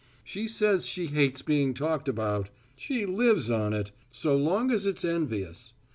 She says she hates being talked about. She lives on it! so long as it's envious.